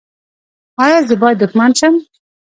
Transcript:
ایا زه باید دښمن شم؟